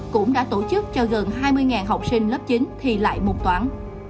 cũng đã tổ chức cho gần hai mươi học sinh lớp chín thi lại môn toán